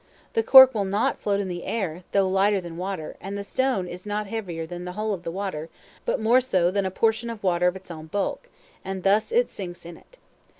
The cork will not float in the air, though lighter than water; and the stone is not heavier than the whole of the water, but more so than a portion of water of its own bulk, and thus it sinks in it.